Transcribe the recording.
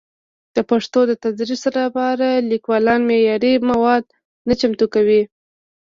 د پښتو د تدریس لپاره لیکوالان معیاري مواد نه چمتو کوي.